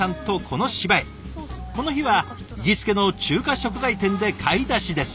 この日は行きつけの中華食材店で買い出しです。